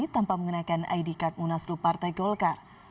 tanpa mengenakan id card munaslu partai golkar